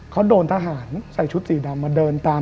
เขาโดนทหารใส่ชุดสีดำมาเดินตาม